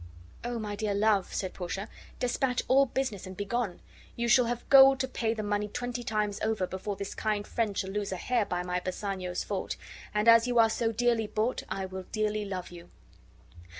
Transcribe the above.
"Oh, my dear love," said Portia, "despatch all business and begone; you shall have gold to pay the money twenty times over, before this kind friend shall lose a hair by my Bassanio's fault; and as you are so dearly bought, I will dearly love you."